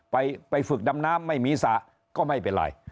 ไปฝึกดำน้ำไม่มีสระก็ไม่เป็นไร